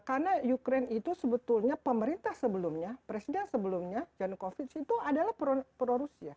karena ukraine itu sebetulnya pemerintah sebelumnya presiden sebelumnya janukovic itu adalah pro rusia